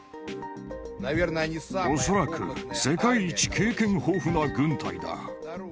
恐らく世界一経験豊富な軍隊だ。